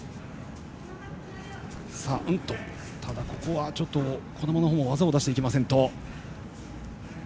ここは児玉のほうも技を出していきませんと。